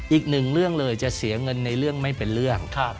อีกหนึ่งเรื่องเลยจะเสียเงินในเรื่องไม่เป็นเรื่อง